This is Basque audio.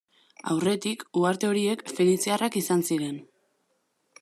Aurretik, uharte horiek feniziarrak izan ziren.